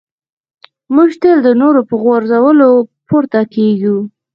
موږ تل د نورو په غورځولو پورته کېږو.